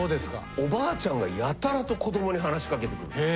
おばあちゃんがやたらと子どもに話しかけてくる。